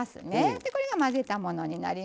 でこれが混ぜたものになります。